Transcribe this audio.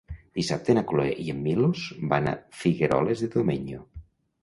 Dissabte na Cloè i en Milos van a Figueroles de Domenyo.